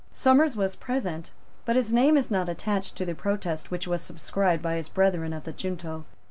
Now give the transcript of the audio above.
Somers was present; but his name is not attached to the protest which was subscribed by his brethren of the junto.